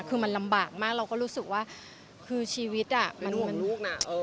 คือมันลำบากมากเราก็รู้สึกว่าคือชีวิตอ่ะเป็นห่วงลูกน่ะเออ